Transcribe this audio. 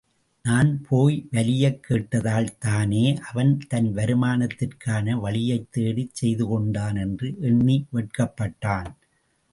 நான் போய் வலியக் கேட்டதால் தானே அவன் தன் வருமானத்திற்கான வழியைத் தேடிச் செய்துகொண்டான் என்று எண்ணி வெட்கப்பட்டான்.